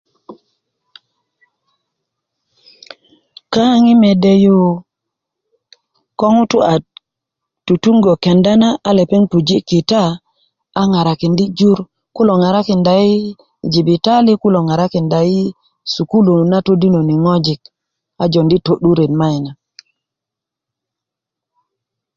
kaŋ i mede yu ko ŋutu a tutungö kenda na a ŋutu puji kita a ŋarakindi jur kulo ŋarakinda i jibitali kulo ŋarakinda i sukulu na todinoni ŋojik a jondi to'duret mayina